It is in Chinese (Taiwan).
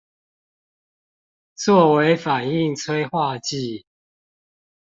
作為反應催化劑